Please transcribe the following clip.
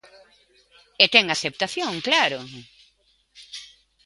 E ten aceptación, claro.